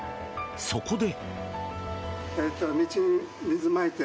そこで。